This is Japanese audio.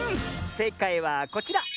せいかいはこちら！